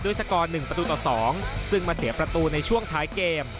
สกอร์๑ประตูต่อ๒ซึ่งมาเสียประตูในช่วงท้ายเกม